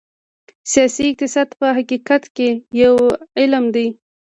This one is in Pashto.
سیاسي اقتصاد په حقیقت کې یو علم دی.